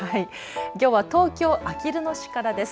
きょうは東京あきる野市からです。